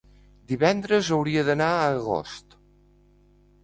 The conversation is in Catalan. Divendres hauria d'anar a Agost.